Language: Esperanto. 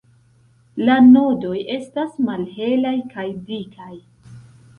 La nodoj estas malhelaj kaj dikaj.